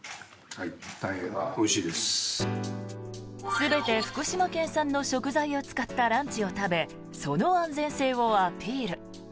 全て福島県産の食材を使ったランチを食べその安全性をアピール。